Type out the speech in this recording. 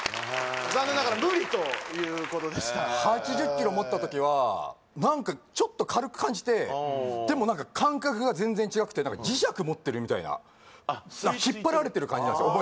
残念ながら無理ということでした８０ｋｇ持った時は何かちょっと軽く感じてでも何か感覚が全然違くて磁石持ってるみたいな引っ張られてる感じなんすよ